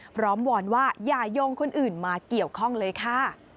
วอนว่าอย่ายงคนอื่นมาเกี่ยวข้องเลยค่ะ